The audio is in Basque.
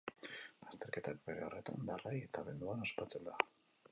Lasterketak bere horretan darrai eta abenduan ospatzen da.